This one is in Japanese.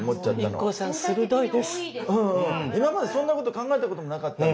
今までそんなこと考えたこともなかったんだけど。